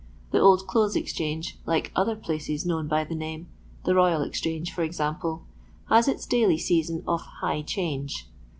The Old Clothes Ex change, like other places known by the name — the Boyal Exchange, for example — has its daily season of "high change."